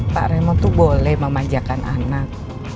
pak remon tuh boleh memanjakan anak